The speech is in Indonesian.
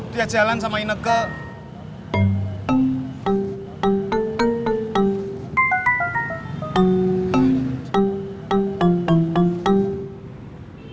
dia jalan sama inegel